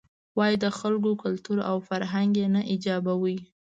وایې د خلکو کلتور او فرهنګ یې نه ایجابوي.